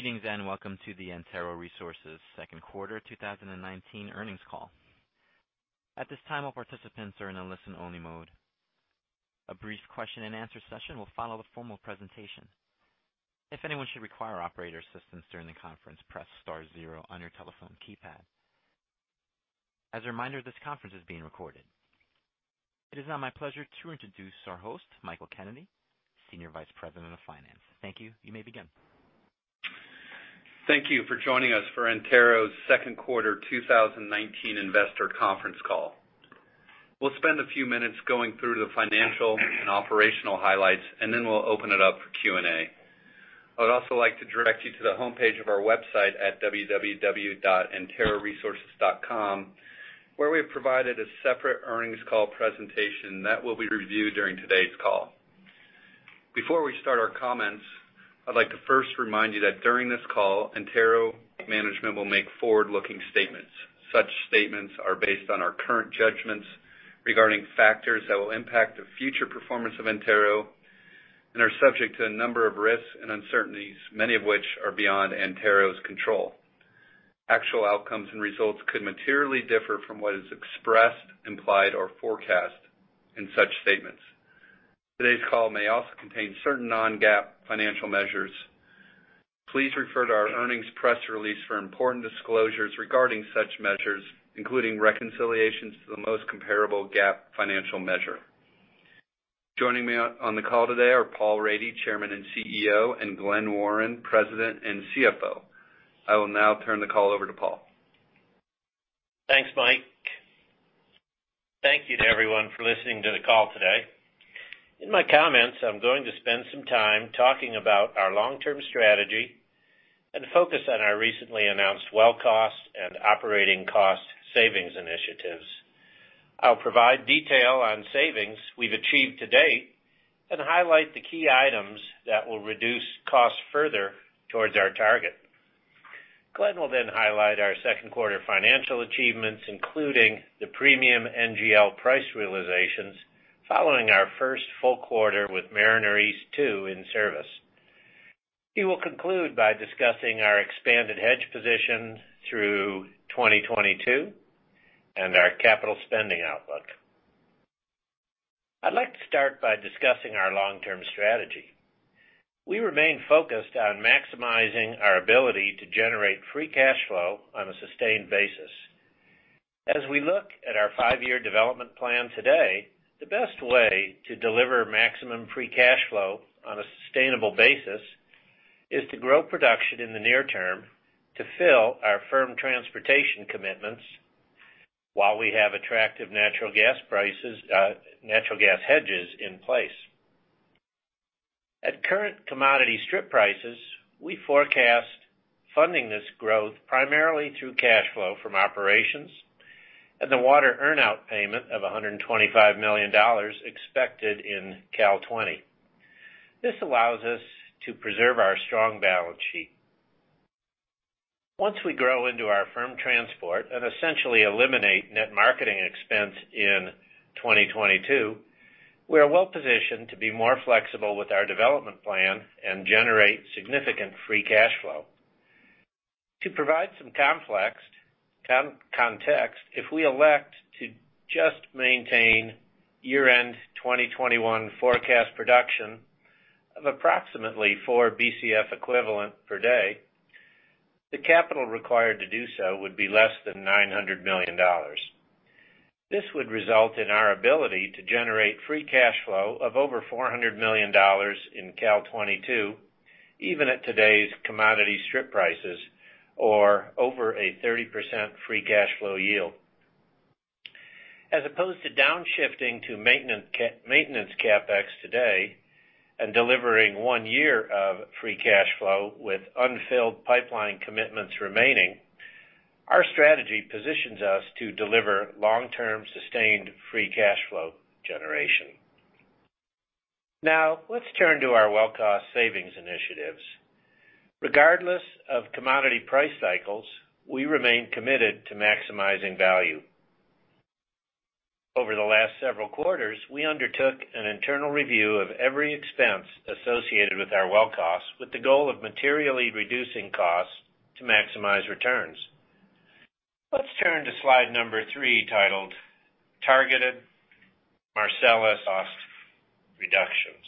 Greetings and welcome to the Antero Resources second quarter 2019 earnings call. At this time, all participants are in a listen-only mode. A brief question and answer session will follow the formal presentation. If anyone should require operator assistance during the conference, press star zero on your telephone keypad. As a reminder, this conference is being recorded. It is now my pleasure to introduce our host, Michael Kennedy, Senior Vice President of Finance. Thank you. You may begin. Thank you for joining us for Antero's second quarter 2019 investor conference call. We'll spend a few minutes going through the financial and operational highlights, and then we'll open it up for Q&A. I would also like to direct you to the homepage of our website at www.anteroresources.com, where we have provided a separate earnings call presentation that will be reviewed during today's call. Before we start our comments, I'd like to first remind you that during this call, Antero management will make forward-looking statements. Such statements are based on our current judgments regarding factors that will impact the future performance of Antero and are subject to a number of risks and uncertainties, many of which are beyond Antero's control. Actual outcomes and results could materially differ from what is expressed, implied, or forecast in such statements. Today's call may also contain certain non-GAAP financial measures. Please refer to our earnings press release for important disclosures regarding such measures, including reconciliations to the most comparable GAAP financial measure. Joining me on the call today are Paul Rady, Chairman and CEO, and Glen Warren, President and CFO. I will now turn the call over to Paul. Thanks, Mike. Thank you to everyone for listening to the call today. In my comments, I'm going to spend some time talking about our long-term strategy and focus on our recently announced well cost and operating cost savings initiatives. I'll provide detail on savings we've achieved to date and highlight the key items that will reduce costs further towards our target. Glen will then highlight our second quarter financial achievements, including the premium NGL price realizations following our first full quarter with Mariner East 2 in service. He will conclude by discussing our expanded hedge position through 2022 and our capital spending outlook. I'd like to start by discussing our long-term strategy. We remain focused on maximizing our ability to generate free cash flow on a sustained basis. As we look at our five-year development plan today, the best way to deliver maximum free cash flow on a sustainable basis is to grow production in the near term to fill our firm transportation commitments while we have attractive natural gas hedges in place. At current commodity strip prices, we forecast funding this growth primarily through cash flow from operations and the water earn-out payment of $125 million expected in Cal 20. This allows us to preserve our strong balance sheet. Once we grow into our firm transport and essentially eliminate net marketing expense in 2022, we are well positioned to be more flexible with our development plan and generate significant free cash flow. To provide some context, if we elect to just maintain year-end 2021 forecast production of approximately 4 Bcfe per day, the capital required to do so would be less than $900 million. This would result in our ability to generate free cash flow of over $400 million in Cal 22, even at today's commodity strip prices or over a 30% free cash flow yield. As opposed to downshifting to maintenance CapEx today and delivering one year of free cash flow with unfilled pipeline commitments remaining, our strategy positions us to deliver long-term sustained free cash flow generation. Let's turn to our well cost savings initiatives. Regardless of commodity price cycles, we remain committed to maximizing value. Over the last several quarters, we undertook an internal review of every expense associated with our well costs, with the goal of materially reducing costs to maximize returns. Let's turn to slide number three, titled Targeted Marcellus Cost Reductions.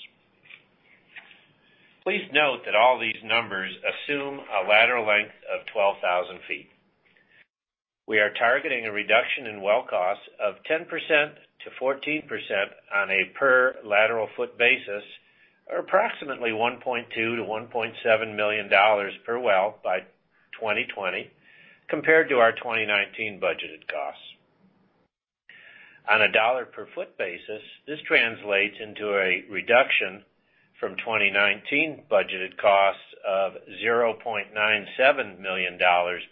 Please note that all these numbers assume a lateral length of 12,000 feet. We are targeting a reduction in well costs of 10%-14% on a per lateral foot basis, or approximately $1.2 million-$1.7 million per well by 2020 compared to our 2019 budgeted costs. On a dollar per foot basis, this translates into a reduction from 2019 budgeted costs of $0.97 million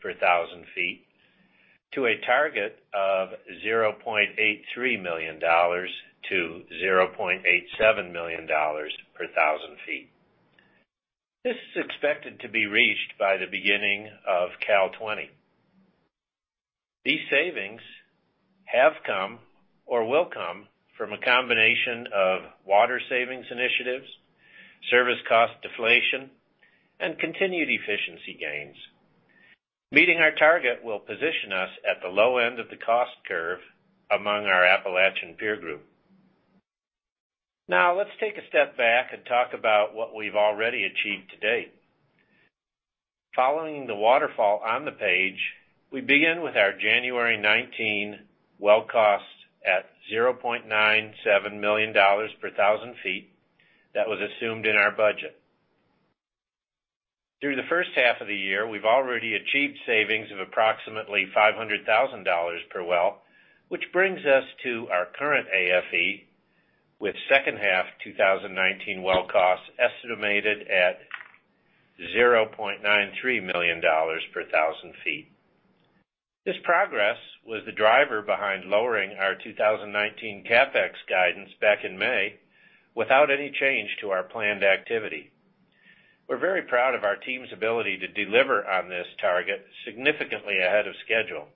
per thousand feet to a target of $0.83 million-$0.87 million per thousand feet. This is expected to be reached by the beginning of Cal 20. These savings have come or will come from a combination of water savings initiatives, service cost deflation, and continued efficiency gains. Meeting our target will position us at the low end of the cost curve among our Appalachian peer group. Let's take a step back and talk about what we've already achieved to date. Following the waterfall on the page, we begin with our January 2019 well cost at $0.97 million per 1,000 feet that was assumed in our budget. Through the first half of the year, we've already achieved savings of approximately $500,000 per well, which brings us to our current AFE with second half 2019 well costs estimated at $0.93 million per 1,000 feet. This progress was the driver behind lowering our 2019 CapEx guidance back in May without any change to our planned activity. We're very proud of our team's ability to deliver on this target significantly ahead of schedule.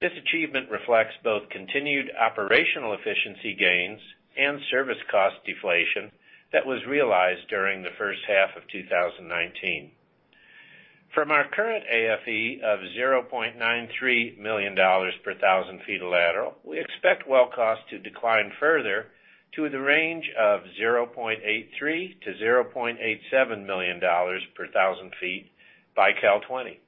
This achievement reflects both continued operational efficiency gains and service cost deflation that was realized during the first half of 2019. From our current AFE of $0.93 million per thousand feet of lateral, we expect well cost to decline further to the range of $0.83 million-$0.87 million per thousand feet by Cal 20.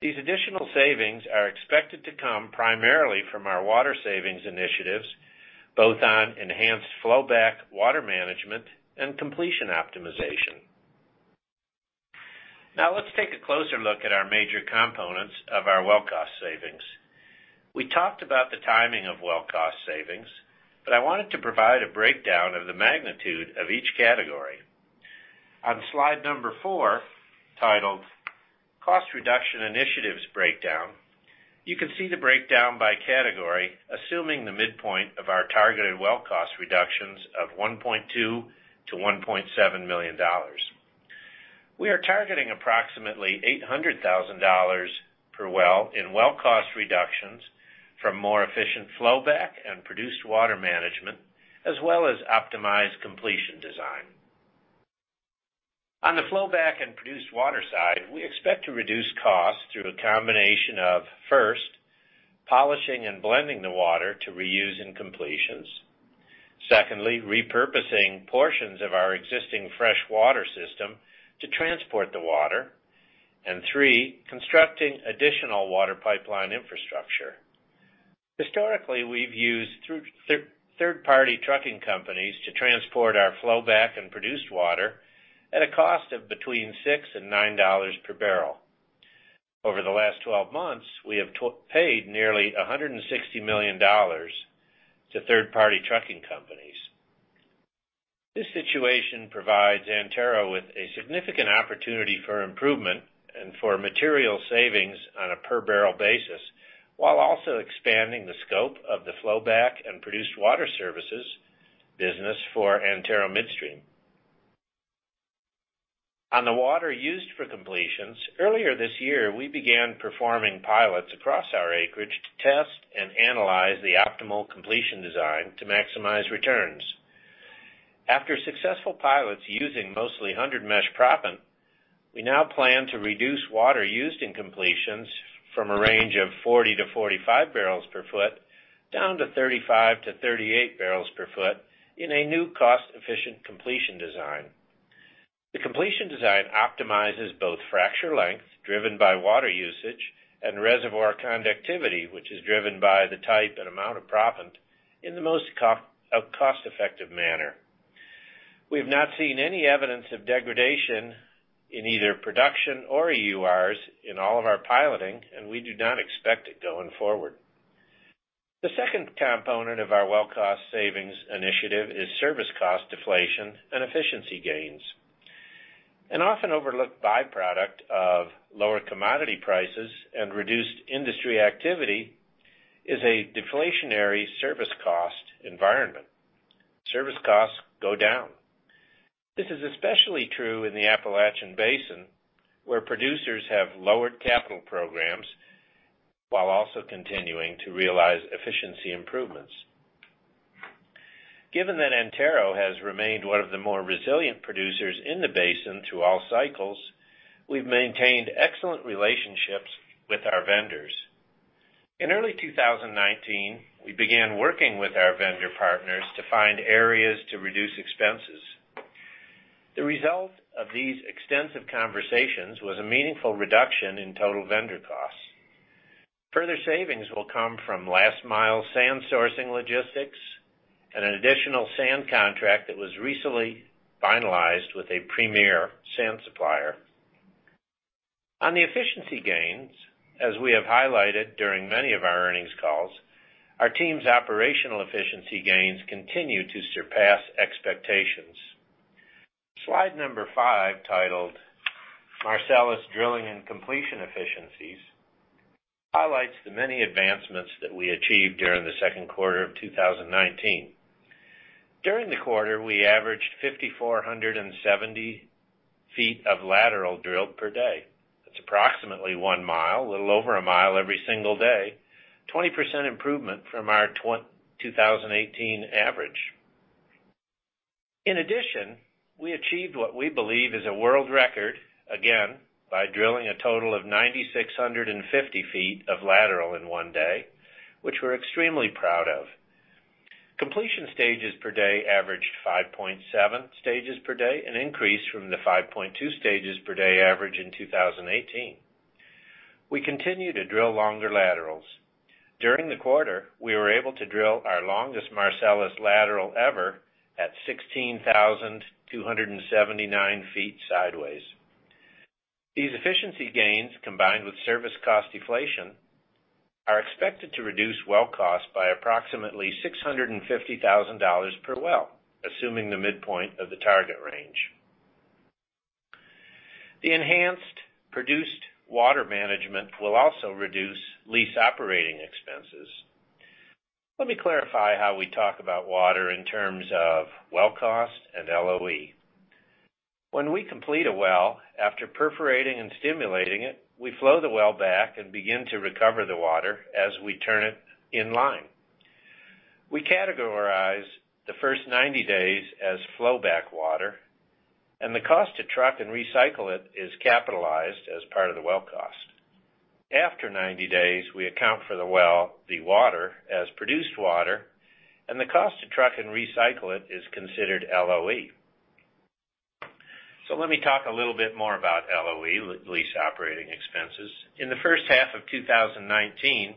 These additional savings are expected to come primarily from our water savings initiatives, both on enhanced flow back water management and completion optimization. Now let's take a closer look at our major components of our well cost savings. We talked about the timing of well cost savings, but I wanted to provide a breakdown of the magnitude of each category. On slide number 4, titled Cost Reduction Initiatives Breakdown, you can see the breakdown by category, assuming the midpoint of our targeted well cost reductions of $1.2 million-$1.7 million. We are targeting approximately $800,000 per well in well cost reductions from more efficient flowback and produced water management, as well as optimized completion design. On the flowback and produced water side, we expect to reduce costs through a combination of, first, polishing and blending the water to reuse in completions. Secondly, repurposing portions of our existing fresh water system to transport the water. Three, constructing additional water pipeline infrastructure. Historically, we've used third-party trucking companies to transport our flowback and produced water at a cost of between $6 and $9 per barrel. Over the last 12 months, we have paid nearly $160 million to third-party trucking companies. This situation provides Antero with a significant opportunity for improvement and for material savings on a per barrel basis, while also expanding the scope of the flowback and produced water services business for Antero Midstream. On the water used for completions, earlier this year, we began performing pilots across our acreage to test and analyze the optimal completion design to maximize returns. After successful pilots using mostly 100 mesh proppant, we now plan to reduce water used in completions from a range of 40-45 barrels per foot down to 35-38 barrels per foot in a new cost-efficient completion design. The completion design optimizes both fracture length, driven by water usage, and reservoir conductivity, which is driven by the type and amount of proppant, in the most cost-effective manner. We have not seen any evidence of degradation in either production or EURs in all of our piloting, and we do not expect it going forward. The second component of our well cost savings initiative is service cost deflation and efficiency gains. An often overlooked byproduct of lower commodity prices and reduced industry activity is a deflationary service cost environment. Service costs go down. This is especially true in the Appalachian Basin, where producers have lowered capital programs while also continuing to realize efficiency improvements. Given that Antero has remained one of the more resilient producers in the basin through all cycles, we've maintained excellent relationships with our vendors. In early 2019, we began working with our vendor partners to find areas to reduce expenses. The result of these extensive conversations was a meaningful reduction in total vendor costs. Further savings will come from last-mile sand sourcing logistics and an additional sand contract that was recently finalized with a premier sand supplier. On the efficiency gains, as we have highlighted during many of our earnings calls, our team's operational efficiency gains continue to surpass expectations. Slide number five, titled Marcellus Drilling and Completion Efficiencies, highlights the many advancements that we achieved during the second quarter of 2019. During the quarter, we averaged 5,470 feet of lateral drill per day. That's approximately one mile, a little over a mile every single day, 20% improvement from our 2018 average. In addition, we achieved what we believe is a world record, again, by drilling a total of 9,650 feet of lateral in one day, which we're extremely proud of. Completion stages per day averaged 5.7 stages per day, an increase from the 5.2 stages per day average in 2018. We continue to drill longer laterals. During the quarter, we were able to drill our longest Marcellus lateral ever at 16,279 feet sideways. These efficiency gains, combined with service cost deflation, are expected to reduce well cost by approximately $650,000 per well, assuming the midpoint of the target range. The enhanced produced water management will also reduce lease operating expenses. Let me clarify how we talk about water in terms of well cost and LOE. When we complete a well, after perforating and stimulating it, we flow the well back and begin to recover the water as we turn it in line. We categorize the first 90 days as flow back water, and the cost to truck and recycle it is capitalized as part of the well cost. After 90 days, we account for the water as produced water, and the cost to truck and recycle it is considered LOE. Let me talk a little bit more about LOE, lease operating expenses. In the first half of 2019,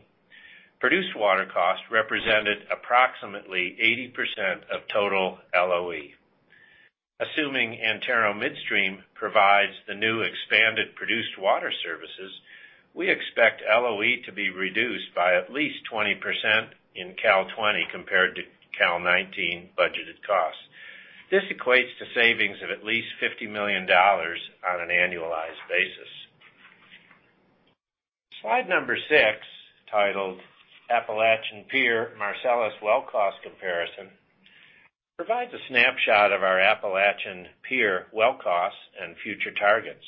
produced water cost represented approximately 80% of total LOE. Assuming Antero Midstream provides the new expanded produced water services, we expect LOE to be reduced by at least 20% in Cal 2020 compared to Cal 2019 budgeted costs. This equates to savings of at least $50 million on an annualized basis. Slide number 6, titled Appalachian Peer Marcellus Well Cost Comparison, provides a snapshot of our Appalachian peer well costs and future targets.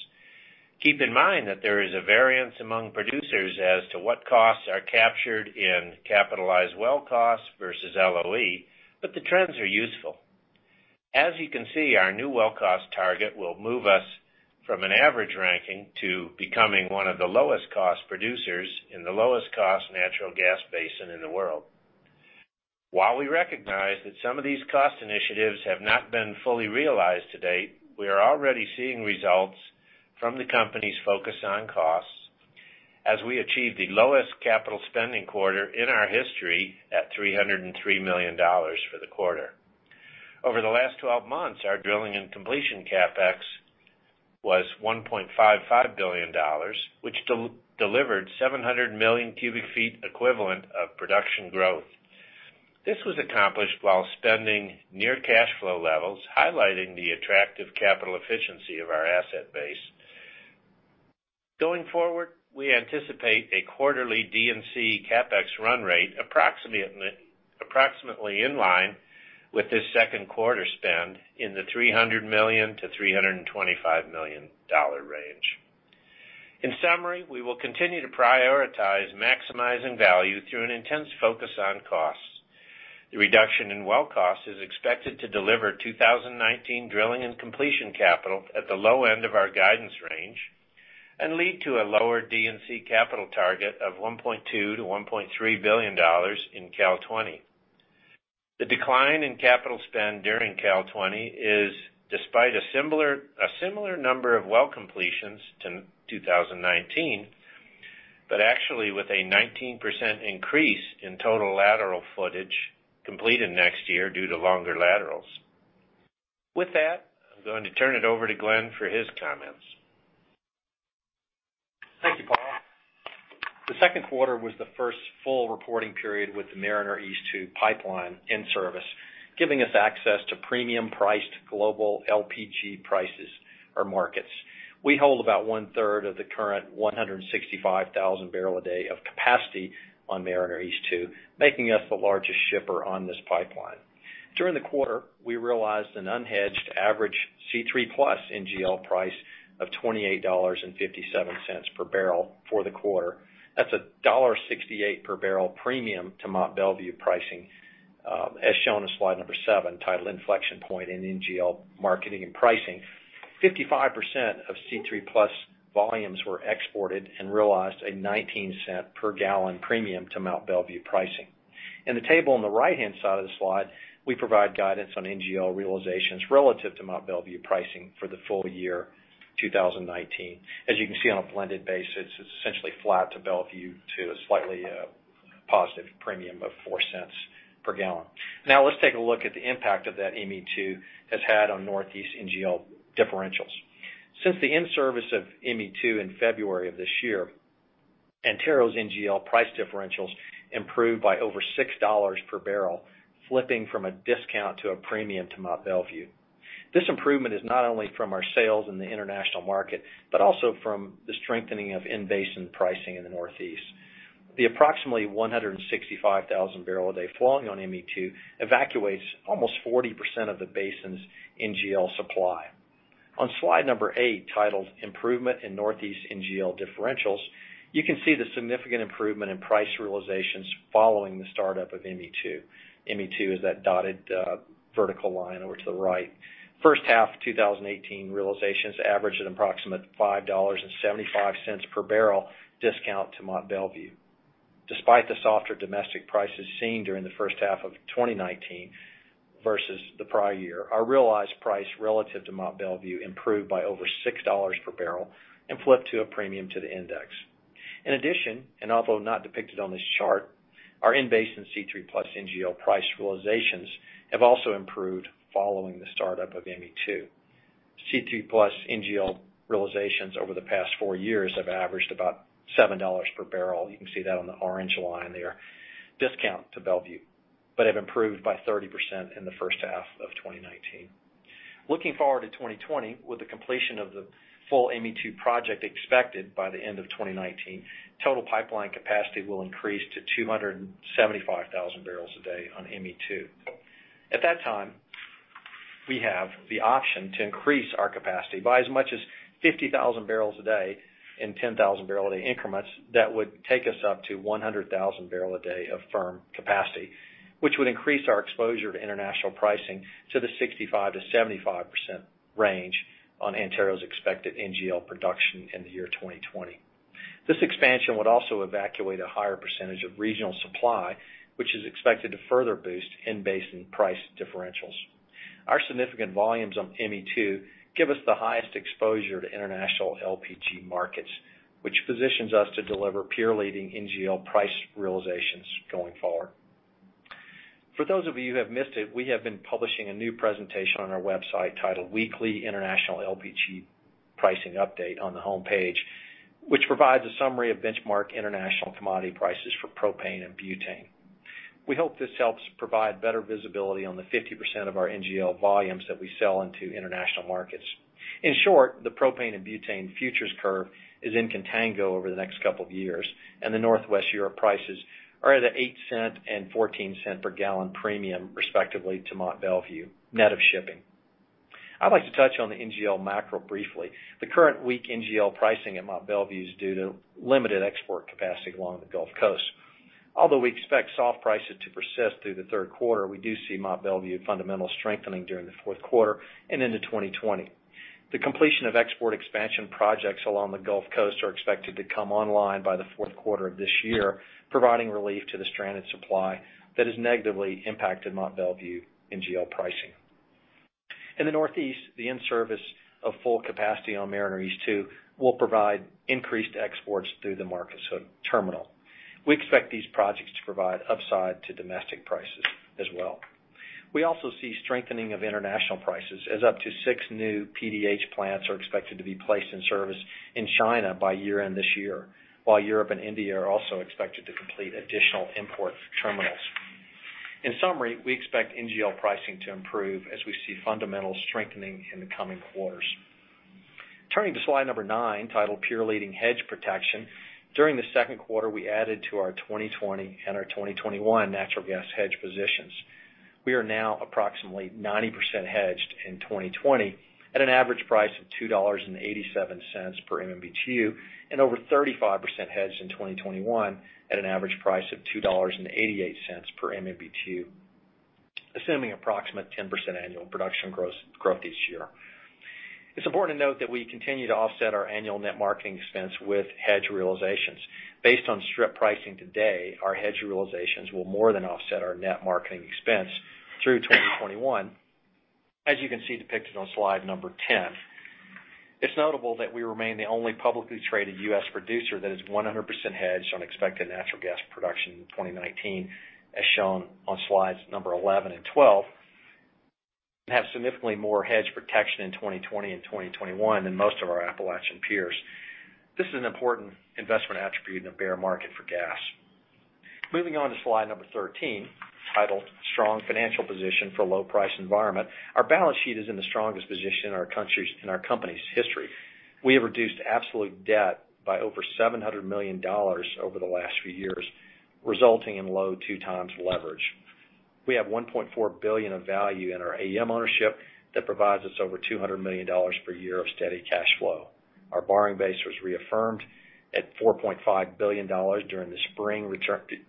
Keep in mind that there is a variance among producers as to what costs are captured in capitalized well costs versus LOE, the trends are useful. You can see, our new well cost target will move us from an average ranking to becoming one of the lowest cost producers in the lowest cost natural gas basin in the world. While we recognize that some of these cost initiatives have not been fully realized to date, we are already seeing results from the company's focus on costs as we achieve the lowest capital spending quarter in our history at $303 million for the quarter. Over the last 12 months, our drilling and completion CapEx was $1.55 billion, which delivered 700 million cubic feet equivalent of production growth. This was accomplished while spending near cash flow levels, highlighting the attractive capital efficiency of our asset base. Going forward, we anticipate a quarterly D&C CapEx run rate approximately in line with this second quarter spend in the $300 million-$325 million range. In summary, we will continue to prioritize maximizing value through an intense focus on costs. The reduction in well cost is expected to deliver 2019 drilling and completion capital at the low end of our guidance range and lead to a lower D&C capital target of $1.2 billion-$1.3 billion in Cal 2020. The decline in capital spend during Cal 2020 is despite a similar number of well completions to 2019, but actually with a 19% increase in total lateral footage completed next year due to longer laterals. With that, I'm going to turn it over to Glen for his comments. Thank you, Paul. The second quarter was the first full reporting period with the Mariner East 2 pipeline in service, giving us access to premium priced global LPG prices or markets. We hold about one-third of the current 165,000 barrel a day of capacity on Mariner East 2, making us the largest shipper on this pipeline. During the quarter, we realized an unhedged average C3+ NGL price of $28.57 per barrel for the quarter. That's a $1.68 per barrel premium to Mont Belvieu pricing, as shown in slide number seven, titled Inflection Point in NGL Marketing and Pricing. 55% of C3+ volumes were exported and realized a $0.19 per gallon premium to Mont Belvieu pricing. In the table on the right-hand side of the slide, we provide guidance on NGL realizations relative to Mont Belvieu pricing for the full year 2019. As you can see on a blended basis, it's essentially flat to Mont Belvieu to a slightly positive premium of $0.04 per gallon. Let's take a look at the impact that ME2 has had on Northeast NGL differentials. Since the in-service of ME2 in February of this year, Antero's NGL price differentials improved by over $6 per barrel, flipping from a discount to a premium to Mont Belvieu. This improvement is not only from our sales in the international market, but also from the strengthening of in-basin pricing in the Northeast. The approximately 165,000 barrel oil a day flowing on ME2 evacuates almost 40% of the basin's NGL supply. On slide number 8, titled "Improvement in Northeast NGL Differentials," you can see the significant improvement in price realizations following the startup of ME2. ME2 is that dotted vertical line over to the right. First half of 2018 realizations averaged at approximate $5.75 per barrel discount to Mont Belvieu. Despite the softer domestic prices seen during the first half of 2019 versus the prior year, our realized price relative to Mont Belvieu improved by over $6 per barrel and flipped to a premium to the index. Although not depicted on this chart, our in-basin C3+ NGL price realizations have also improved following the startup of ME2. C3+ NGL realizations over the past four years have averaged about $7 per barrel. You can see that on the orange line there, discount to Belvieu, but have improved by 30% in the first half of 2019. Looking forward to 2020, with the completion of the full ME2 project expected by the end of 2019, total pipeline capacity will increase to 275,000 barrels a day on ME2. At that time, we have the option to increase our capacity by as much as 50,000 barrels a day in 10,000 barrel a day increments that would take us up to 100,000 barrel a day of firm capacity, which would increase our exposure to international pricing to the 65%-75% range on Antero's expected NGL production in the year 2020. This expansion would also evacuate a higher percentage of regional supply, which is expected to further boost in-basin price differentials. Our significant volumes on ME2 give us the highest exposure to international LPG markets, which positions us to deliver peer-leading NGL price realizations going forward. For those of you who have missed it, we have been publishing a new presentation on our website titled Weekly International LPG Pricing Update on the homepage, which provides a summary of benchmark international commodity prices for propane and butane. We hope this helps provide better visibility on the 50% of our NGL volumes that we sell into international markets. In short, the propane and butane futures curve is in contango over the next couple of years, and the Northwest Europe prices are at an $0.08 and $0.14 per gallon premium, respectively, to Mont Belvieu, net of shipping. I'd like to touch on the NGL macro briefly. The current weak NGL pricing at Mont Belvieu is due to limited export capacity along the Gulf Coast. Although we expect soft prices to persist through the third quarter, we do see Mont Belvieu fundamental strengthening during the fourth quarter and into 2020. The completion of export expansion projects along the Gulf Coast are expected to come online by the fourth quarter of this year, providing relief to the stranded supply that has negatively impacted Mont Belvieu NGL pricing. In the Northeast, the in-service of full capacity on Mariner East 2 will provide increased exports through the Marcus Hook terminal. We expect these projects to provide upside to domestic prices as well. We also see strengthening of international prices as up to six new PDH plants are expected to be placed in service in China by year-end this year, while Europe and India are also expected to complete additional import terminals. In summary, we expect NGL pricing to improve as we see fundamental strengthening in the coming quarters. Turning to slide number nine, titled "Peer-Leading Hedge Protection," during the second quarter, we added to our 2020 and our 2021 natural gas hedge positions. We are now approximately 90% hedged in 2020 at an average price of $2.87 per MMBtu, and over 35% hedged in 2021 at an average price of $2.88 per MMBtu, assuming approximate 10% annual production growth this year. It's important to note that we continue to offset our annual net marketing expense with hedge realizations. Based on strip pricing today, our hedge realizations will more than offset our net marketing expense through 2021, as you can see depicted on slide number 10. It's notable that we remain the only publicly traded U.S. producer that is 100% hedged on expected natural gas production in 2019, as shown on slides number 11 and 12, and have significantly more hedge protection in 2020 and 2021 than most of our Appalachian peers. This is an important investment attribute in a bear market for gas. Moving on to slide number 13, titled "Strong Financial Position for a Low Price Environment," our balance sheet is in the strongest position in our company's history. We have reduced absolute debt by over $700 million over the last few years, resulting in low two times leverage. We have $1.4 billion of value in our AM ownership that provides us over $200 million per year of steady cash flow. Our borrowing base was reaffirmed at $4.5 billion during the spring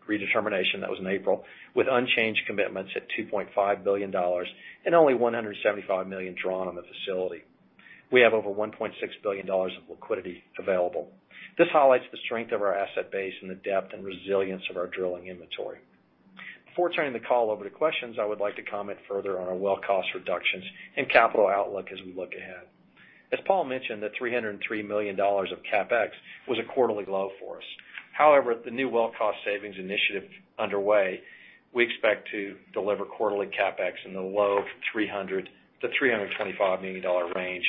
redetermination, that was in April, with unchanged commitments at $2.5 billion and only $175 million drawn on the facility. We have over $1.6 billion of liquidity available. This highlights the strength of our asset base and the depth and resilience of our drilling inventory. Before turning the call over to questions, I would like to comment further on our well cost reductions and capital outlook as we look ahead. As Paul mentioned, the $303 million of CapEx was a quarterly low for us. However, with the new well cost savings initiative underway, we expect to deliver quarterly CapEx in the low $300 million-$325 million range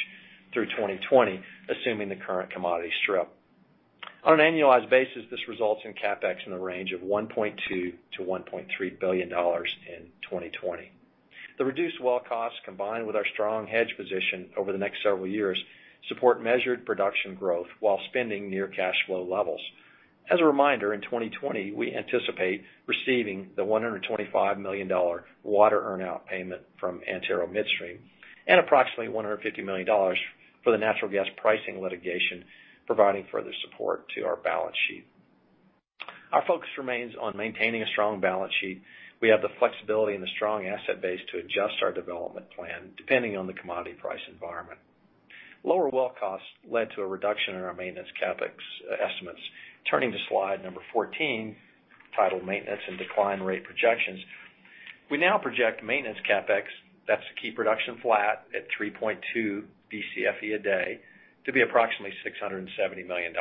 through 2020, assuming the current commodity strip. On an annualized basis, this results in CapEx in the range of $1.2 billion-$1.3 billion in 2020. The reduced well costs, combined with our strong hedge position over the next several years, support measured production growth while spending near cash flow levels. As a reminder, in 2020, we anticipate receiving the $125 million water earn-out payment from Antero Midstream and approximately $150 million for the natural gas pricing litigation, providing further support to our balance sheet. Our focus remains on maintaining a strong balance sheet. We have the flexibility and the strong asset base to adjust our development plan depending on the commodity price environment. Lower well costs led to a reduction in our maintenance CapEx estimates. Turning to slide number 14, titled "Maintenance and Decline Rate Projections," we now project maintenance CapEx, that's to keep production flat at 3.2 Bcfe a day, to be approximately $670 million.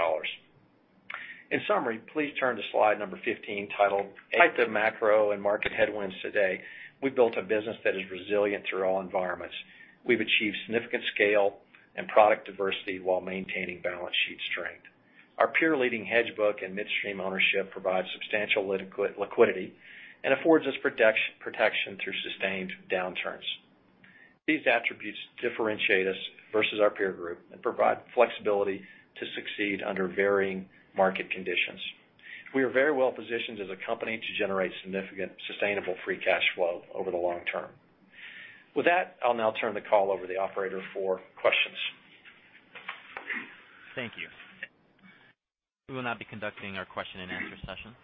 In summary, please turn to slide number 15, titled. Despite the macro and market headwinds today, we've built a business that is resilient through all environments. We've achieved significant scale and product diversity while maintaining balance sheet strength. Our peer-leading hedge book and midstream ownership provide substantial liquidity and affords us protection through sustained downturns. These attributes differentiate us versus our peer group and provide flexibility to succeed under varying market conditions. We are very well positioned as a company to generate significant sustainable free cash flow over the long term. With that, I'll now turn the call over to the operator for questions. Thank you. We will now be conducting our question-and-answer session.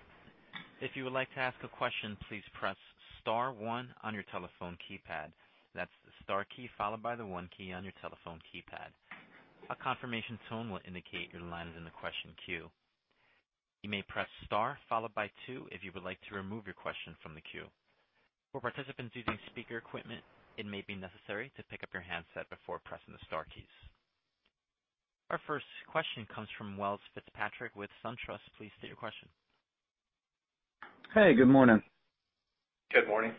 If you would like to ask a question, please press star one on your telephone keypad. That's the star key followed by the one key on your telephone keypad. A confirmation tone will indicate your line is in the question queue. You may press star followed by two if you would like to remove your question from the queue. For participants using speaker equipment, it may be necessary to pick up your handset before pressing the star keys. Our first question comes from Welles Fitzpatrick with SunTrust. Please state your question. Hey, good morning. Good morning.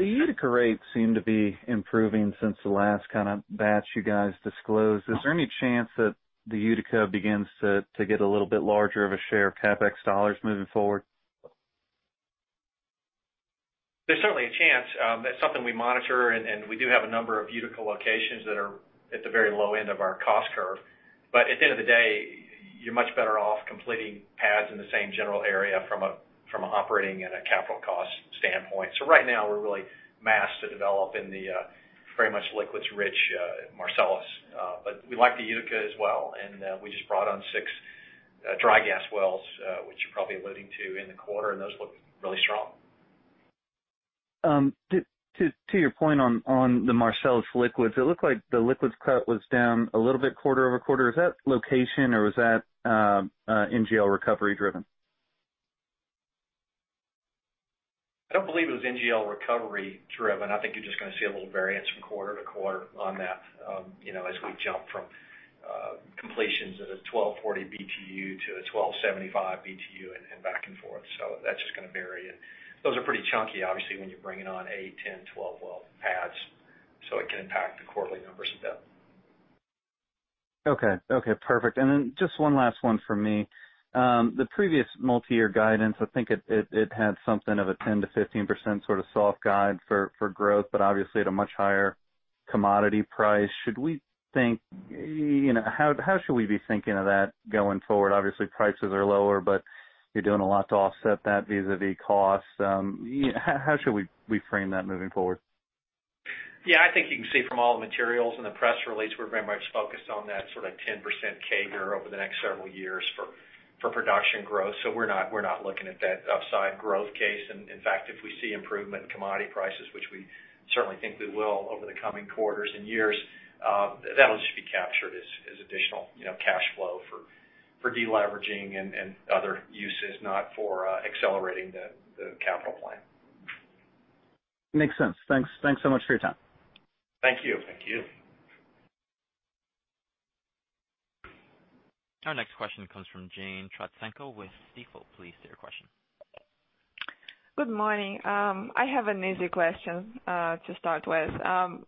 The Utica rates seem to be improving since the last batch you guys disclosed. Is there any chance that the Utica begins to get a little bit larger of a share of CapEx dollars moving forward? There's certainly a chance. That's something we monitor, and we do have a number of Utica locations that are at the very low end of our cost curve. At the end of the day, you're much better off completing pads in the same general area from an operating and a capital cost standpoint. Right now, we're really masked to develop in the very much liquids-rich Marcellus. We like the Utica as well, and we just brought on six dry gas wells, which you're probably alluding to in the quarter, and those look really strong. To your point on the Marcellus liquids, it looked like the liquids cut was down a little bit quarter-over-quarter. Is that location or was that NGL recovery driven? I don't believe it was NGL recovery driven. I think you're just going to see a little variance from quarter to quarter on that as we jump from completions at a 1,240 BTU to a 1,275 BTU and back and forth. That's just going to vary. Those are pretty chunky, obviously, when you're bringing on a 10, 12-well pads, it can impact the quarterly numbers a bit. Okay. Perfect. Just one last one from me. The previous multi-year guidance, I think it had something of a 10%-15% sort of soft guide for growth, but obviously at a much higher commodity price. How should we be thinking of that going forward? Obviously, prices are lower, but you're doing a lot to offset that vis-à-vis costs. How should we frame that moving forward? I think you can see from all the materials in the press release, we're very much focused on that sort of 10% CAGR over the next several years for production growth. We're not looking at that upside growth case. In fact, if we see improvement in commodity prices, which we certainly think we will over the coming quarters and years, that'll just be captured as additional cash flow for de-leveraging and other uses, not for accelerating the capital plan. Makes sense. Thanks so much for your time. Thank you. Our next question comes from Jane Trotsenko with Stifel. Please state your question. Good morning. I have an easy question to start with.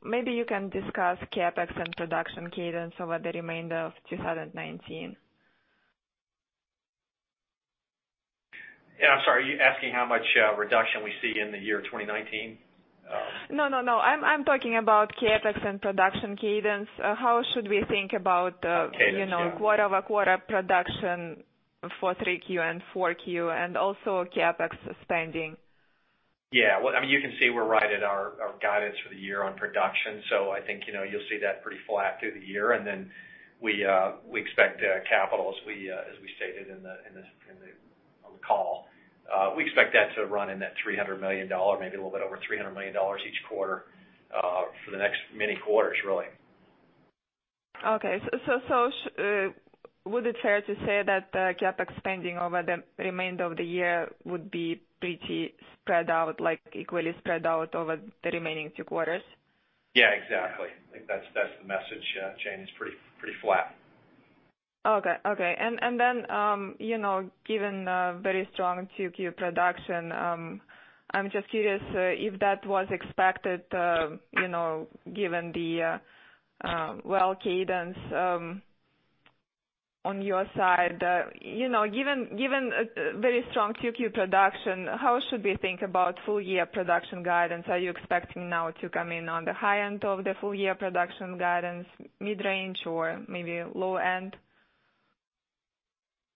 Maybe you can discuss CapEx and production cadence over the remainder of 2019? Yeah, I'm sorry, are you asking how much reduction we see in the year 2019? No. I'm talking about CapEx and production cadence. How should we think about? Cadence. Yeah quarter-over-quarter production for three Q and four Q, and also CapEx spending? You can see we're right at our guidance for the year on production. I think you'll see that pretty flat through the year. We expect capital, as we stated on the call, we expect that to run in that $300 million, maybe a little bit over $300 million each quarter for the next many quarters, really. Okay. Would it be fair to say that the CapEx spending over the remainder of the year would be pretty spread out, like equally spread out over the remaining two quarters? Yeah, exactly. I think that's the message, Jane. It's pretty flat. Okay. Given the very strong 2-tier production, I'm just curious if that was expected given the well cadence. On your side, given very strong 2Q production, how should we think about full year production guidance? Are you expecting now to come in on the high end of the full year production guidance, mid-range, or maybe low end?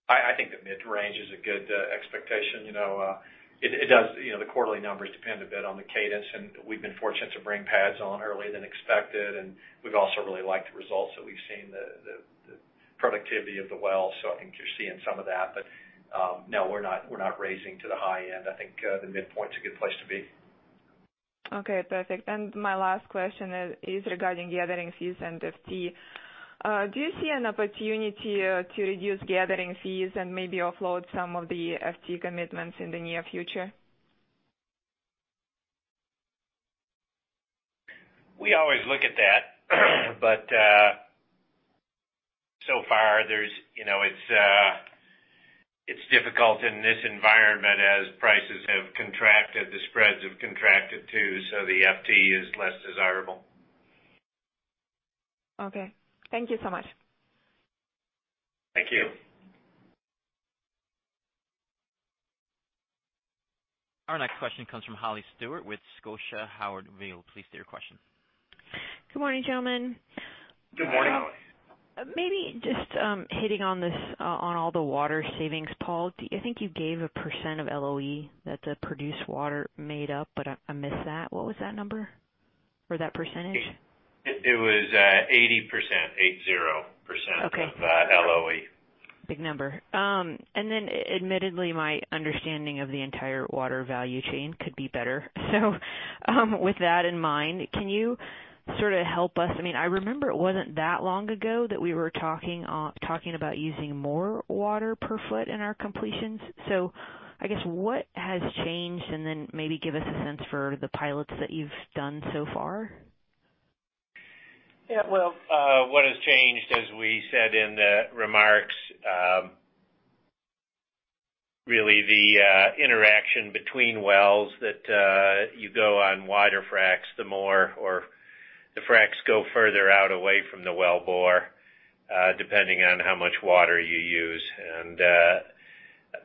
I think the mid-range is a good expectation. The quarterly numbers depend a bit on the cadence, and we've been fortunate to bring pads on earlier than expected, and we've also really liked the results that we've seen, the productivity of the wells. I think you're seeing some of that. No, we're not raising to the high end. I think the midpoint's a good place to be. Okay, perfect. My last question is regarding gathering fees and FT. Do you see an opportunity to reduce gathering fees and maybe offload some of the FT commitments in the near future? We always look at that. So far, it's difficult in this environment as prices have contracted, the spreads have contracted too, so the FT is less desirable. Okay. Thank you so much. Thank you. Our next question comes from Holly Stewart with Scotia Howard Weil. Please state your question. Good morning, gentlemen. Good morning, Holly. Maybe just hitting on all the water savings, Paul. I think you gave a % of LOE that the produced water made up, but I missed that. What was that number or that percentage? It was 80%. Okay of LOE. Big number. Admittedly, my understanding of the entire water value chain could be better. With that in mind, can you sort of help us I remember it wasn't that long ago that we were talking about using more water per foot in our completions. I guess, what has changed? Maybe give us a sense for the pilots that you've done so far. Well, what has changed, as we said in the remarks, really the interaction between wells that you go on wider fracs, the more or the fracs go further out away from the wellbore, depending on how much water you use.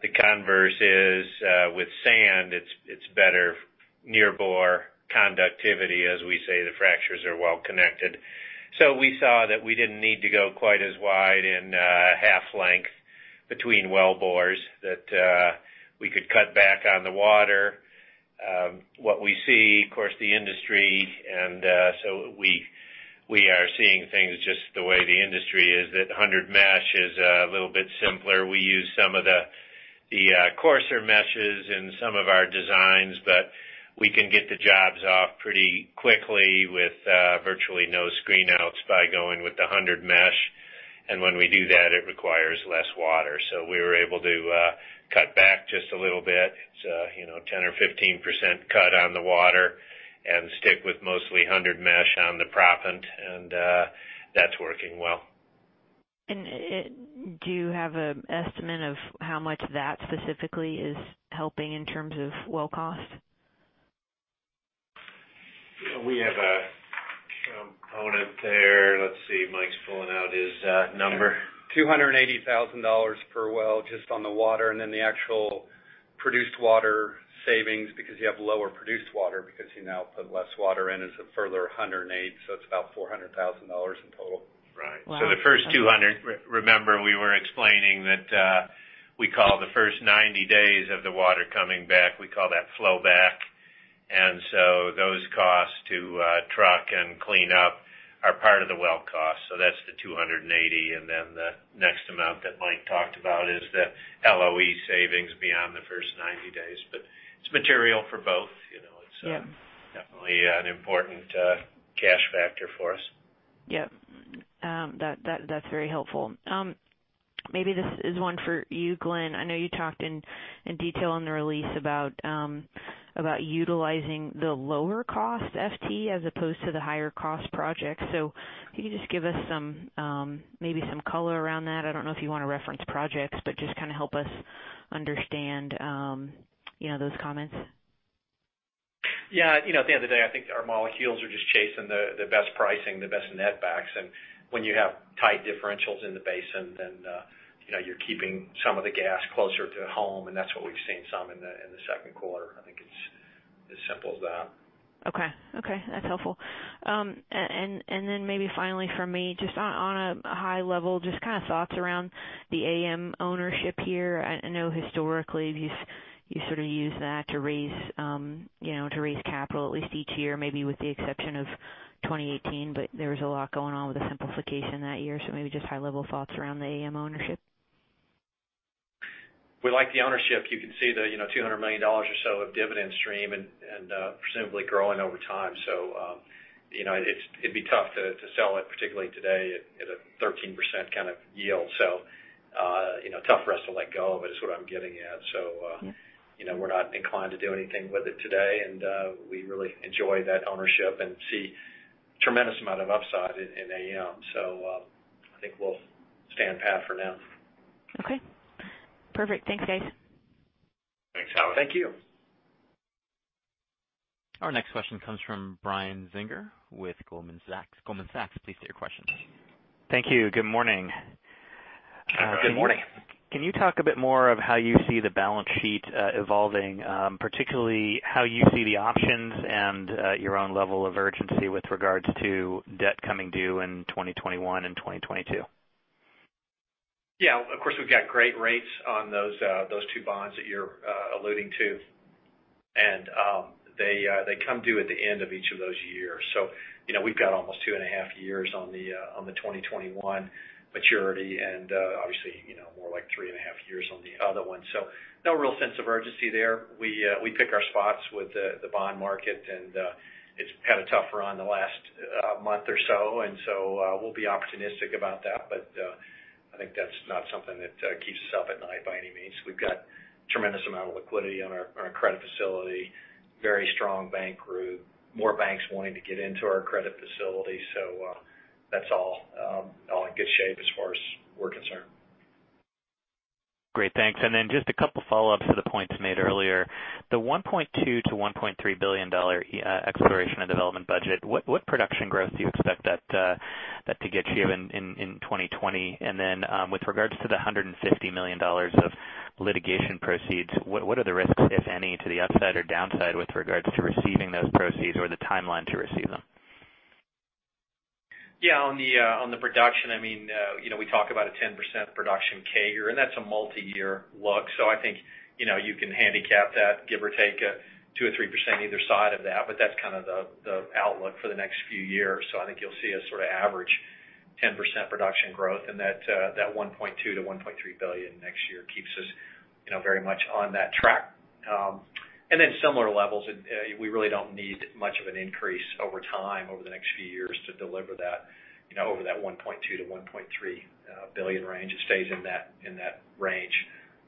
The converse is, with sand, it's better near bore conductivity. As we say, the fractures are well connected. We saw that we didn't need to go quite as wide in half length between wellbores, that we could cut back on the water. What we see, of course, the industry, we are seeing things just the way the industry is, that 100 mesh is a little bit simpler. We use some of the coarser meshes in some of our designs, we can get the jobs off pretty quickly with virtually no screen outs by going with the 100 mesh. When we do that, it requires less water. We were able to cut back just a little bit. It's a 10% or 15% cut on the water and stick with mostly 100 mesh on the proppant, and that's working well. Do you have an estimate of how much that specifically is helping in terms of well cost? We have a component there. Let's see. Mike's pulling out his number. $280,000 per well just on the water. The actual produced water savings, because you have lower produced water, because you now put less water in, is a further $108,000. It's about $400,000 in total. Right. Wow. The first 200, remember, we were explaining that we call the first 90 days of the water coming back, we call that flow back. Those costs to truck and clean up are part of the well cost. That's the 280, and then the next amount that Mike talked about is the LOE savings beyond the first 90 days. It's material for both. Yeah. It's definitely an important cash factor for us. Yep. That's very helpful. Maybe this is one for you, Glen. I know you talked in detail in the release about utilizing the lower cost FT as opposed to the higher cost project. Can you just give us maybe some color around that? I don't know if you want to reference projects, but just help us understand those comments. At the end of the day, I think our molecules are just chasing the best pricing, the best net backs. When you have tight differentials in the basin, then you're keeping some of the gas closer to home, and that's what we've seen some in the second quarter. I think it's as simple as that. Okay. That's helpful. Then maybe finally from me, just on a high level, just thoughts around the AM ownership here. I know historically you sort of use that to raise capital at least each year, maybe with the exception of 2018, but there was a lot going on with the simplification that year. Maybe just high-level thoughts around the AM ownership. We like the ownership. You can see the $200 million or so of dividend stream and presumably growing over time. It'd be tough to sell it, particularly today at a 13% kind of yield. Tough for us to let go of it, is what I'm getting at. We're not inclined to do anything with it today, and we really enjoy that ownership and see tremendous amount of upside in AM. I think we'll stay on path for now. Okay. Perfect. Thanks, guys. Thanks, Holly. Thank you. Our next question comes from Brian Singer with Goldman Sachs. Goldman Sachs, please state your question. Thank you. Good morning. Good morning. Can you talk a bit more of how you see the balance sheet evolving, particularly how you see the options and your own level of urgency with regards to debt coming due in 2021 and 2022? Yeah, of course, we've got great rates on those two bonds that you're alluding to. They come due at the end of each of those years. We've got almost two and a half years on the 2021 maturity and obviously, more like three and a half years on the other one. No real sense of urgency there. We pick our spots with the bond market, and it's had a tough run the last month or so. We'll be opportunistic about that, but I think that's not something that keeps us up at night by any means. We've got tremendous amount of liquidity on our credit facility, very strong bank group, more banks wanting to get into our credit facility. That's all in good shape as far as we're concerned. Great, thanks. Just a couple follow-ups to the points made earlier. The $1.2 billion-$1.3 billion exploration and development budget, what production growth do you expect that to get you in 2020? With regards to the $150 million of litigation proceeds, what are the risks, if any, to the upside or downside with regards to receiving those proceeds or the timeline to receive them? Yeah, on the production, we talk about a 10% production CAGR. That's a multi-year look. I think you can handicap that give or take 2% or 3% either side of that. That's the outlook for the next few years. I think you'll see us average 10% production growth. That $1.2 billion-$1.3 billion next year keeps us very much on that track. Similar levels, we really don't need much of an increase over time over the next few years to deliver that over that $1.2 billion-$1.3 billion range. It stays in that range.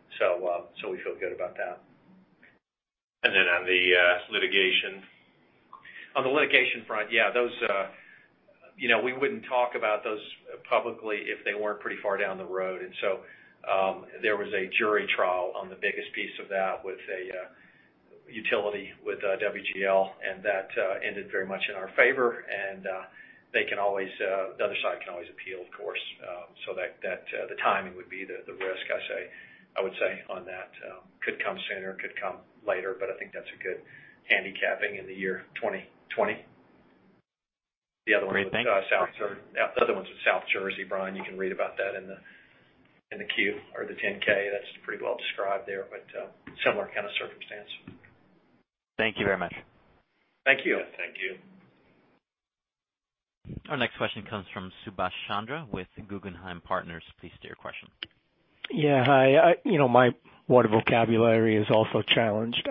We feel good about that. On the litigation. On the litigation front, yeah, we wouldn't talk about those publicly if they weren't pretty far down the road. There was a jury trial on the biggest piece of that with a utility with WGL, and that ended very much in our favor. The other side can always appeal, of course. The timing would be the risk, I would say, on that. Could come sooner, could come later, but I think that's a good handicapping in the year 2020. Great, thanks. The other one's in South Jersey, Brian. You can read about that in the Q or the 10K. That's pretty well described there, but similar kind of circumstance. Thank you very much. Thank you. Yeah. Thank you. Our next question comes from Subash Chandra with Guggenheim Partners. Please state your question. Hi, my water vocabulary is also challenged.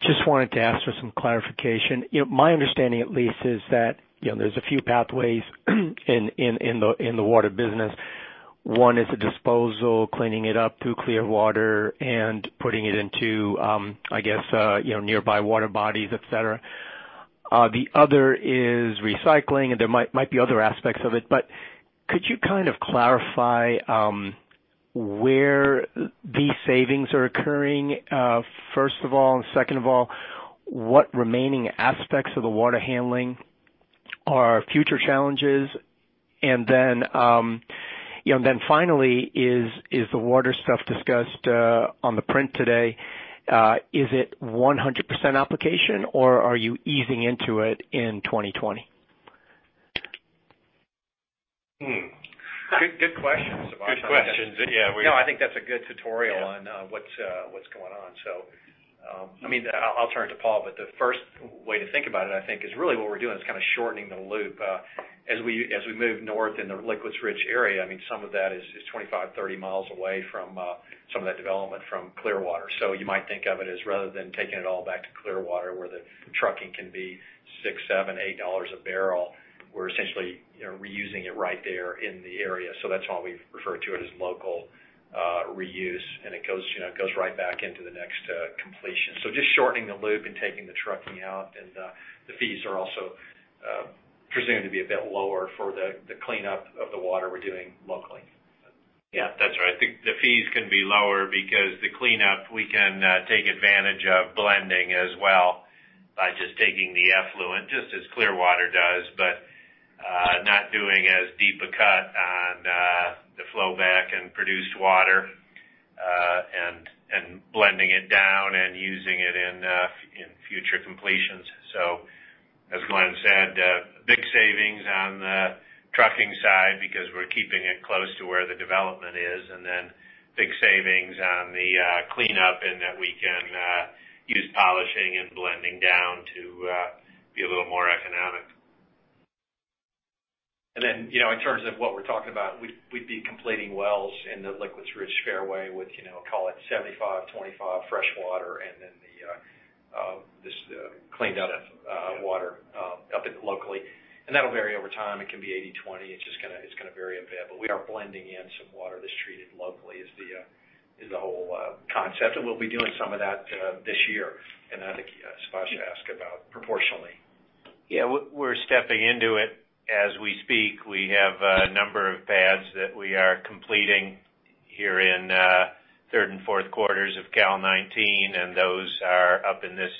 Just wanted to ask for some clarification. My understanding, at least, is that there's a few pathways in the water business. One is the disposal, cleaning it up through Clearwater and putting it into nearby water bodies, et cetera. The other is recycling, and there might be other aspects of it, but could you clarify where these savings are occurring first of all, and second of all, what remaining aspects of the water handling are future challenges? Finally, is the water stuff discussed on the print today, is it 100% application or are you easing into it in 2020? Good question, Subash. Good question. Yeah. No, I think that's a good tutorial on what's going on. I'll turn it to Paul, but the first way to think about it, I think, is really what we're doing is shortening the loop. As we move north in the liquids rich area, some of that is 25, 30 miles away from some of that development from Clearwater. You might think of it as rather than taking it all back to Clearwater where the trucking can be $6-$8 a barrel, we're essentially reusing it right there in the area. That's why we refer to it as local reuse, and it goes right back into the next completion. Just shortening the loop and taking the trucking out, and the fees are also presumed to be a bit lower for the cleanup of the water we're doing locally. Yeah, that's right. The fees can be lower because the cleanup, we can take advantage of blending as well by just taking the effluent, just as Clearwater does, but not doing as deep a cut on the flowback and produced water, and blending it down and using it in future completions. As Glen said, big savings on the trucking side because we're keeping it close to where the development is, and then big savings on the cleanup in that we can use polishing and blending down to be a little more economic. In terms of what we're talking about, we'd be completing wells in the liquids rich fairway with, call it 75/25 freshwater, and then this cleaned out water up locally. That'll vary over time. It can be 80/20. It's just going to vary a bit. We are blending in some water that's treated locally is the whole concept. We'll be doing some of that this year. I think Subash asked about proportionally. Yeah. We're stepping into it as we speak. We have a number of pads that we are completing here in third and fourth quarters of Cal 19, and those are up in this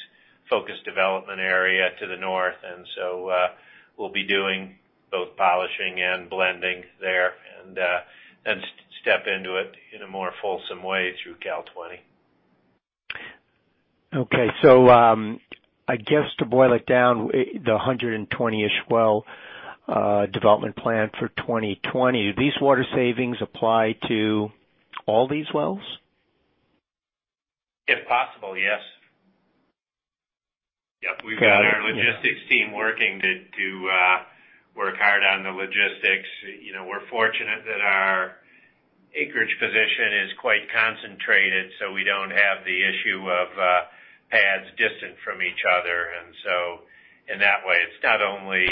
focused development area to the north. We'll be doing both polishing and blending there and then step into it in a more fulsome way through Cal 20. Okay. I guess to boil it down, the 120-ish well development plan for 2020, these water savings apply to all these wells? If possible, yes. Yep. Got it. We've got our logistics team working to work hard on the logistics. We're fortunate that our acreage position is quite concentrated, we don't have the issue of pads distant from each other. In that way, it's not only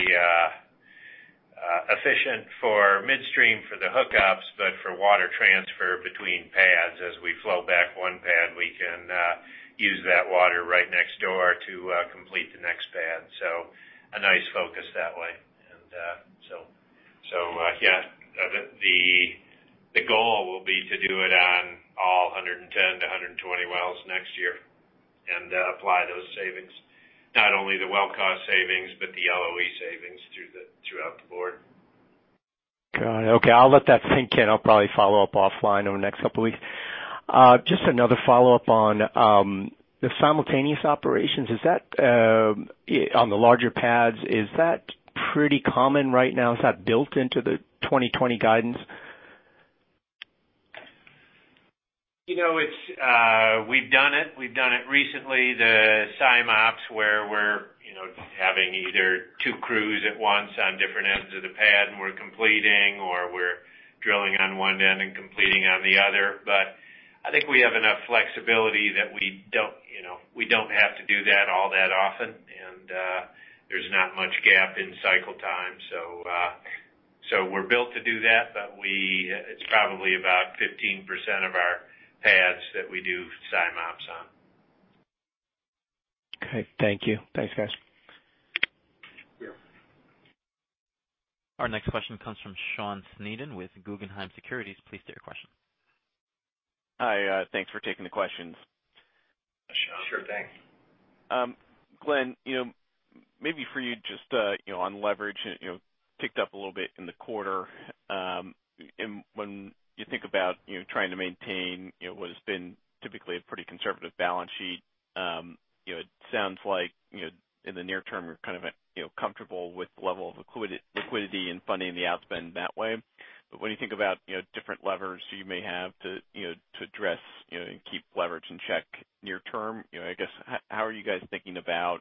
efficient for midstream for the hookups, but for water transfer between pads. As we flow back one pad, we can use that water right next door to complete the next pad. A nice focus that way. Yeah, the goal will be to do it on all 110 to 120 wells next year and apply those savings, not only the well cost savings, but the LOE savings throughout the board. Got it. Okay. I'll let that sink in. I'll probably follow up offline over the next couple of weeks. Just another follow-up on the simultaneous operations, on the larger pads, is that pretty common right now? Is that built into the 2020 guidance? We've done it. We've done it recently, the sim ops where we're having either two crews at once on different ends of the pad, and we're completing, or we're drilling on one end and completing on the other. I think we have enough flexibility that we don't have to do that all that often, and there's not much gap in cycle time. We're built to do that, but it's probably about 15% of our pads that we do sim ops on. Okay. Thank you. Thanks, guys. Yeah. Our next question comes from Sean Sneeden with Guggenheim Securities. Please state your question. Hi. Thanks for taking the questions. Sure thing. Glenn, maybe for you just on leverage, it ticked up a little bit in the quarter. When you think about trying to maintain what has been typically a pretty conservative balance sheet, it sounds like in the near term, you're comfortable with the level of liquidity and funding the outspend that way. When you think about different levers you may have to address and keep leverage in check near term, I guess, how are you guys thinking about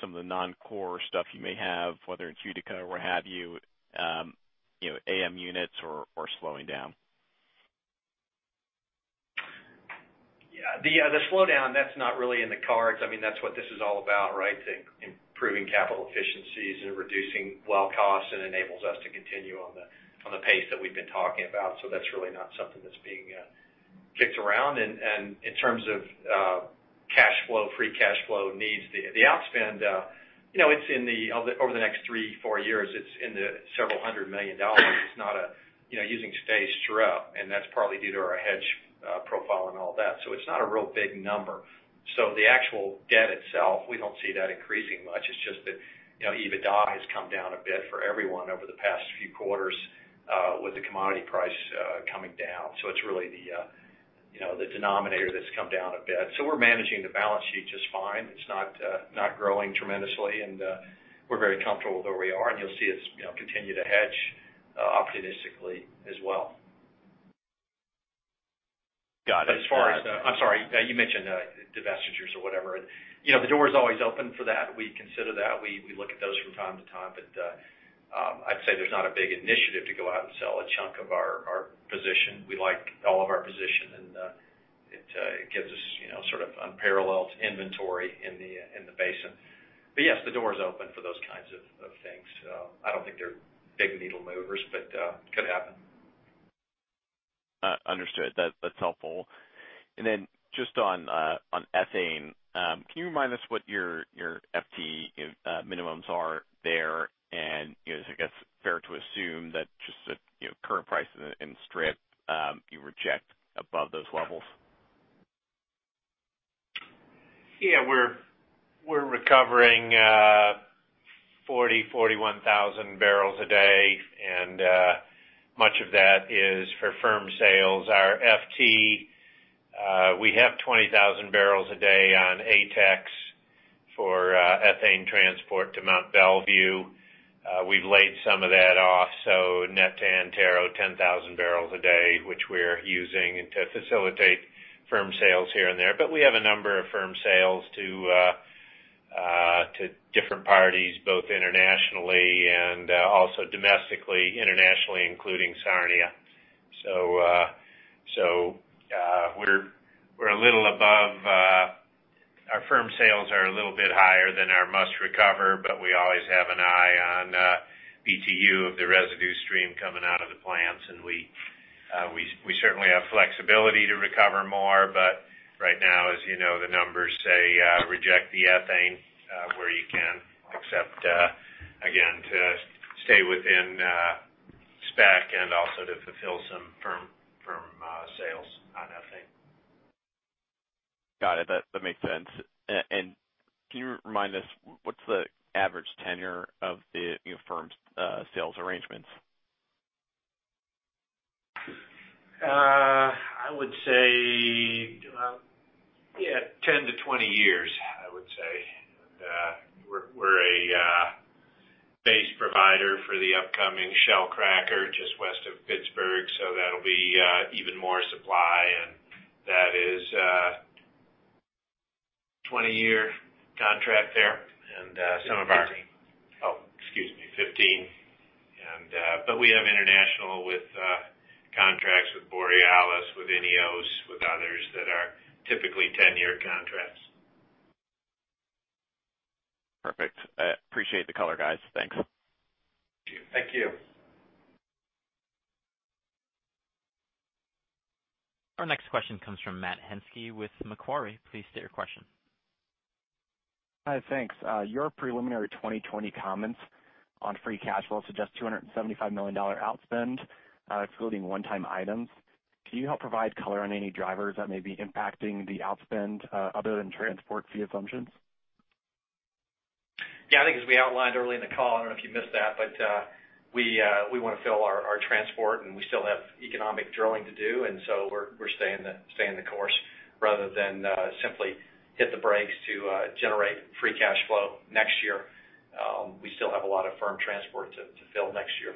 some of the non-core stuff you may have, whether it's Utica or what have you, AM units or slowing down? Yeah. The slowdown, that's not really in the cards. That's what this is all about, right? Improving capital efficiencies and reducing well costs, and enables us to continue on the pace that we've been talking about. That's really not something that's being kicked around. In terms of free cash flow needs, the outspend, over the next three, four years, it's in the $several hundred million. It's not using stays throughout, and that's partly due to our hedge profile and all that. It's not a real big number. The actual debt itself, we don't see that increasing much. It's just that EBITDA has come down a bit for everyone over the past few quarters with the commodity price coming down. It's really the denominator that's come down a bit. We're managing the balance sheet just fine. It's not growing tremendously, and we're very comfortable with where we are, and you'll see us continue to hedge opportunistically as well. Got it. You mentioned divestitures or whatever. The door is always open for that. We consider that. We look at those from time to time, but I'd say there's not a big initiative to go out and sell a chunk of our position. We like all of our position, and it gives us sort of unparalleled inventory in the basin. Yes, the door is open for those kinds of things. I don't think they're big needle movers, but could happen. Understood. That's helpful. Just on ethane. Can you remind us what your FT minimums are there? Is it fair to assume that just the current price in the strip, you reject above those levels? Yeah. We're recovering 40,000, 41,000 barrels a day, and much of that is for firm sales. Our FT, we have 20,000 barrels a day on ATEX for ethane transport to Mont Belvieu. We've laid some of that off, so net to Antero, 10,000 barrels a day, which we're using to facilitate firm sales here and there. We have a number of firm sales to different parties, both internationally and also domestically. Internationally, including Sarnia. Our firm sales are a little bit higher than our must-recover, but we always have an eye on BTU of the residue stream coming out of the plants, and we certainly have flexibility to recover more, but right now, as you know, the numbers say reject the ethane where you can, except again, to stay within spec and also to fulfill some firm sales on ethane. Got it. That makes sense. Can you remind us what's the average tenure of the firm's sales arrangements? I would say 10-20 years. We're a base provider for the upcoming Shell cracker just west of Pittsburgh, so that'll be even more supply, and that is a 20-year contract there. 15. excuse me, 15. We have international with contracts with Borealis, with INEOS, with others that are typically 10-year contracts. Perfect. I appreciate the color, guys. Thanks. Thank you. Thank you. Our next question comes from Matt Henske with Macquarie. Please state your question. Hi. Thanks. Your preliminary 2020 comments on free cash flow suggest $275 million outspend, excluding one-time items. Can you help provide color on any drivers that may be impacting the outspend other than transport fee assumptions? Yeah, I think as we outlined early in the call, I don't know if you missed that, but we want to fill our transport, and so we're staying the course rather than simply hit the brakes to generate free cash flow next year. We still have a lot of firm transport to fill next year.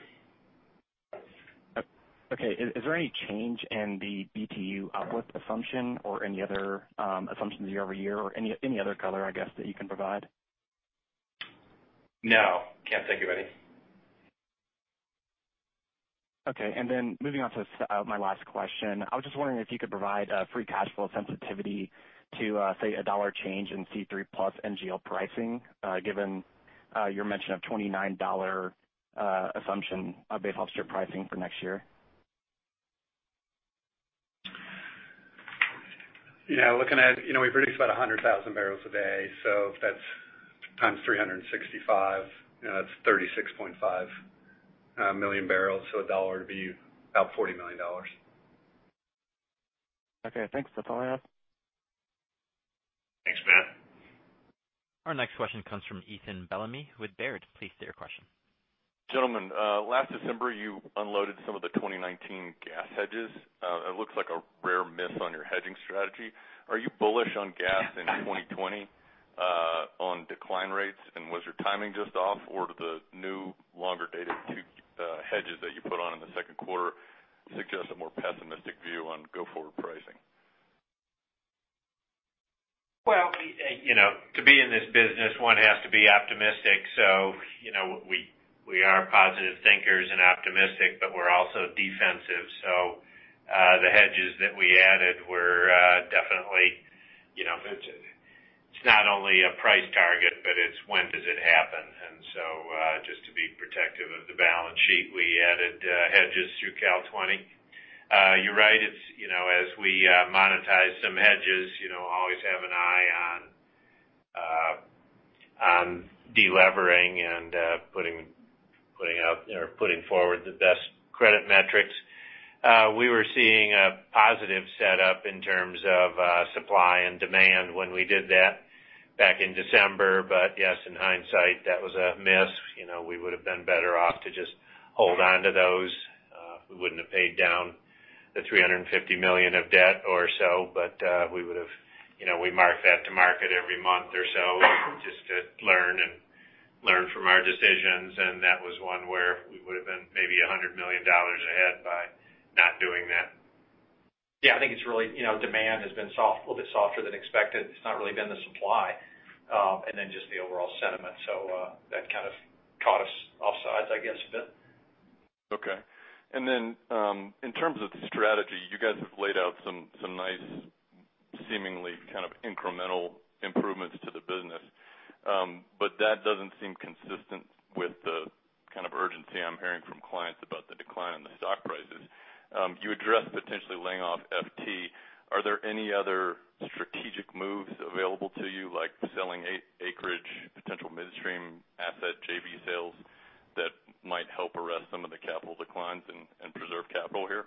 Okay. Is there any change in the BTU outlook assumption or any other assumptions year-over-year or any other color, I guess, that you can provide? No, can't think of any. Okay. Moving on to my last question, I was just wondering if you could provide a free cash flow sensitivity to, say, a dollar change in C3+ NGL pricing given your mention of $29 assumption of base upstream pricing for next year. We produce about 100,000 barrels a day, that's times 365, that's 36.5 million barrels. A dollar would be about $40 million. Okay. Thanks. That's all I have. Thanks, Matt. Our next question comes from Ethan Bellamy with Baird. Please state your question. Gentlemen, last December you unloaded some of the 2019 gas hedges. It looks like a rare miss on your hedging strategy. Are you bullish on gas in 2020 on decline rates? Was your timing just off? Do the new longer-dated hedges that you put on in the second quarter suggest a more pessimistic view on go-forward pricing? To be in this business, one has to be optimistic. We are positive thinkers and optimistic, but we're also defensive. The hedges that we added were definitely it's not only a price target, but it's when does it happen? Just to be protective of the balance sheet, we added hedges through Cal 20. You're right. As we monetize some hedges, always have an eye on de-levering and putting forward the best credit metrics. We were seeing a positive setup in terms of supply and demand when we did that back in December. Yes, in hindsight, that was a miss. We would have been better off to just hold on to those. We wouldn't have paid down the $350 million of debt or so, but we mark that to market every month or so just to learn from our decisions, and that was one where we would have been maybe $100 million ahead by not doing that. Yeah, I think demand has been a little bit softer than expected. It's not really been the supply and then just the overall sentiment. That kind of caught us offside, I guess, a bit. Okay. In terms of strategy, you guys have laid out some nice seemingly kind of incremental improvements to the business. That doesn't seem consistent with the kind of urgency I'm hearing from clients about the decline in the stock prices. You addressed potentially laying off FT. Are there any other strategic moves available to you, like selling acreage, potential midstream asset JV sales that might help arrest some of the capital declines and preserve capital here?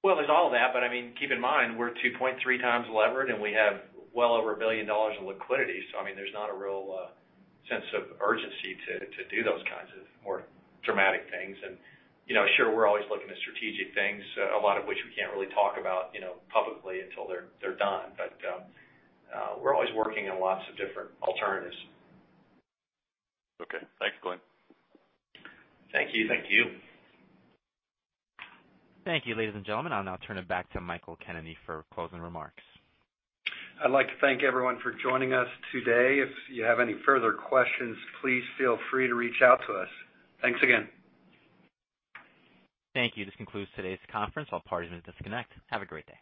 There's all of that, but keep in mind, we're 2.3 times levered and we have well over $1 billion in liquidity. There's not a real sense of urgency to do those kinds of more dramatic things. Sure, we're always looking at strategic things, a lot of which we can't really talk about publicly until they're done. We're always working on lots of different alternatives. Okay. Thanks, Glen. Thank you. Thank you. Thank you, ladies and gentlemen. I'll now turn it back to Michael Kennedy for closing remarks. I'd like to thank everyone for joining us today. If you have any further questions, please feel free to reach out to us. Thanks again. Thank you. This concludes today's conference. All parties may disconnect. Have a great day.